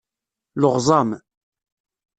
Leɣẓam.